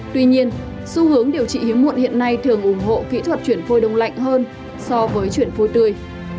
tuy nhiên xu hướng điều trị hiếm muộn hiện nay thường ủng hộ kỹ thuật chuyển phôi đông lạnh hơn so với chuyển phôi tươi